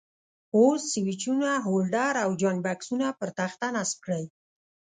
اوس سویچونه، هولډر او جاینټ بکسونه پر تخته نصب کړئ.